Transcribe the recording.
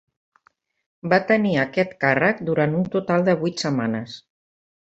Va tenir aquest càrrec durant un total de vuit setmanes.